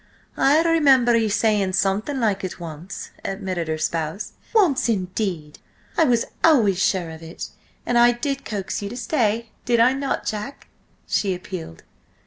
"I remember ye said something like it once," admitted her spouse. "Once, indeed! I was always sure of it. And I did coax you to stay, did I not, Jack?" she appealed.